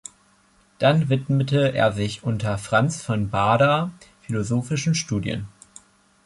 Dann widmete er sich unter Franz von Baader philosophischen Studien.